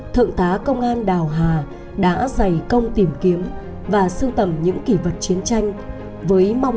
thượng tá công an đào hà đã dày công tìm kiếm và sưu tầm những kỷ vật chiến tranh với mong